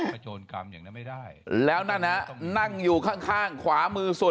โจรกรรมอย่างนั้นไม่ได้แล้วนั่นฮะนั่งอยู่ข้างข้างขวามือสุด